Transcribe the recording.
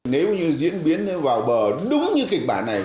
nếu như diễn biến vào bờ đúng như kịch bản này